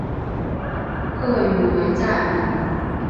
粤语为炸厘。